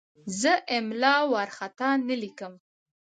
زه املا وارخطا نه لیکم.